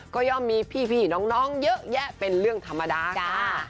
ก็ย่อมมีพี่น้องเยอะแยะเป็นเรื่องธรรมดาค่ะ